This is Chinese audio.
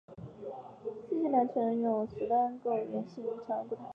寺西有南陈永定四年建造的石构单层圆形藏骨塔。